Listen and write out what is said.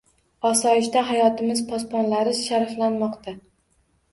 Osoyishta hayotimiz posbonlari sharaflanmoqda